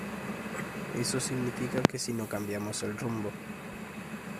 eso significa que si no cambiamos el rumbo